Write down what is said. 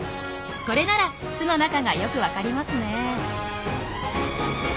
これなら巣の中がよく分かりますねえ。